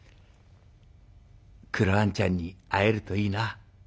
クロあんちゃんに会えるといいな。